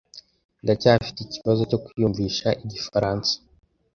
Ndacyafite ikibazo cyo kwiyumvisha igifaransa.